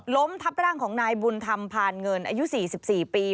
ล้มทับร่างของนายบุญธรรมพานเงินอายุ๔๔ปี